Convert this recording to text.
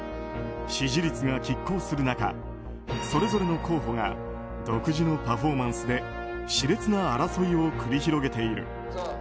支持率が拮抗する中それぞれの候補が独自のパフォーマンスで熾烈な争いを繰り広げている。